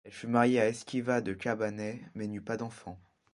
Elle fut mariée à Eschivat de Chabanais, mais n'eut pas d'enfant.